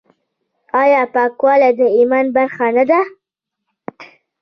آیا پاکوالی د ایمان برخه نه ده؟